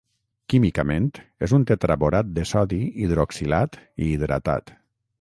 Químicament és un tetraborat de sodi hidroxilat i hidratat.